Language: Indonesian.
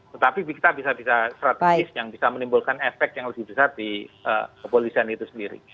tetapi kita bisa bisa strategis yang bisa menimbulkan efek yang lebih besar di kepolisian itu sendiri